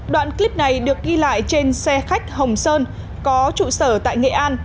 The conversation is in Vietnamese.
đoạn clip này được ghi lại trên xe khách hồng sơn có trụ sở tại nghệ an